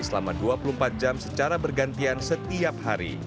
selama dua puluh empat jam secara bergantian setiap hari